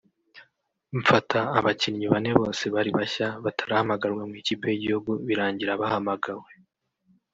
mfata abakinnyi bane bose bari bashya batarahamagarwa mu ikipe y’igihugu birangira bahamagawe”